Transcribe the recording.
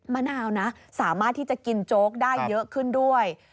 มะนาวนะสามารถที่จะกินโจ๊กได้เยอะขึ้นด้วย